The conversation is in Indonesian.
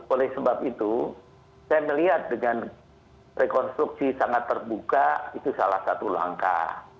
oleh sebab itu saya melihat dengan rekonstruksi sangat terbuka itu salah satu langkah